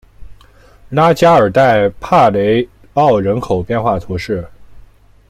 拉加尔代帕雷奥人口变化图示